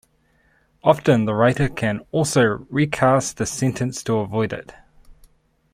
Often the writer can also recast the sentence to avoid it.